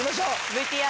ＶＴＲ。